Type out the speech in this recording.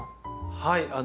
はい。